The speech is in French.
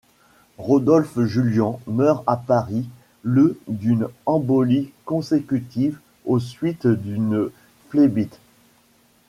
Rodolphe Julian meurt à Paris le d'une embolie consécutive aux suites d'une phlébite.